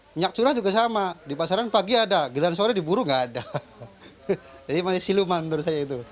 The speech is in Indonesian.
minyak curah juga sama di pasaran pagi ada di jalan sore di burung gak ada jadi masih siluman menurut saya itu